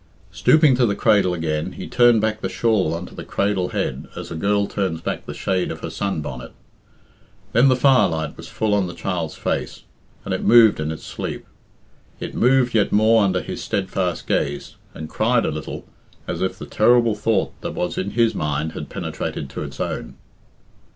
Stooping to the cradle again, he turned back the shawl on to the cradle head as a girl turns back the shade of her sun bonnet Then the firelight was full on the child's face, and it moved in its sleep. It moved yet more under his steadfast gaze, and cried a little, as if the terrible thought that was in his mind had penetrated to its own.